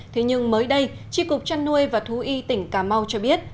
thế nhưng mới đây tri cục trăn nuôi và thú y tỉnh cà mau cho biết